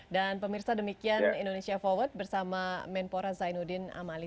dan pemirsa demikian indonesia forward bersama menpora zainuddin amali